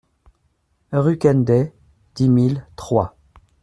Rue Quennedey, dix mille Troyes